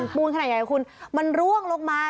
ปูนขนาดใหญ่คุณมันร่วงลงมา